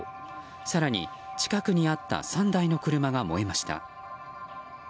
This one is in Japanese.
更に近くにあった３台の車が燃えました。